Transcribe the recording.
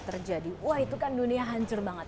terjadi wah itu kan dunia hancur banget